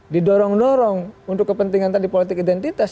didorong dorong untuk kepentingan tadi politik identitas